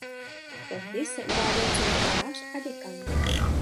Tehdy se uváděl coby farář a děkan.